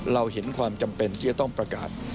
เราเห็นความจำเป็นที่จะต้องประกาศ